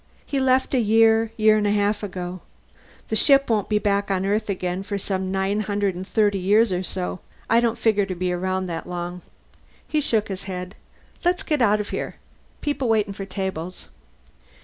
"He left a year, year and a half ago. The ship won't be back on Earth again for nine hundred thirty years or so. I don't figure to be around that long." He shook his head. "Let's get out of here. People waiting for tables."